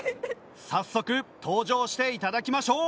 早速登場していただきましょう。